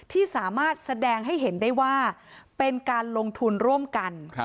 ที่สามารถแสดงให้เห็นได้ว่าเป็นการลงทุนร่วมกัน